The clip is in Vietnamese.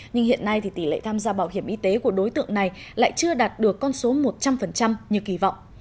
nhưng hiện nay thì tỷ lệ tham gia bảo hiểm y tế của đối tượng này lại chưa đạt được con số một trăm linh như kỳ vọng